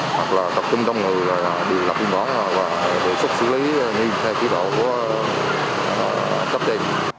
hoặc là tập trung đông người đi lập bình bóng và đề xuất xử lý như theo kế hoạch của cấp đề